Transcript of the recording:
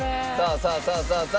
さあさあさあさあ！